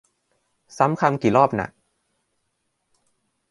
ซ้ำคำกี่รอบน่ะ